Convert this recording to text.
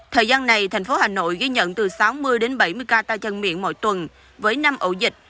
thời gian này thành phố hà nội ghi nhận từ sáu mươi đến bảy mươi ca tay chân miệng mỗi tuần với năm ổ dịch